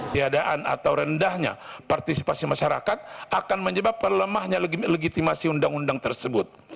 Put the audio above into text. tiadaan atau rendahnya partisipasi masyarakat akan menyebabkan lemahnya legitimasi undang undang tersebut